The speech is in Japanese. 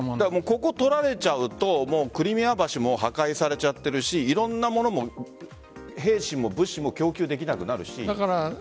ここを取られるとクリミア橋も破壊されちゃっているしいろんなものも兵士も物資も供給できなくなるし。